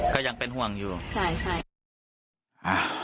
ก็ยังเป็นห่วงอยู่ใช่